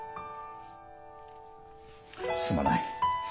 すまない。